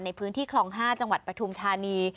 ในพื้นที่คลอง๕จังหวัดปฐุมธานี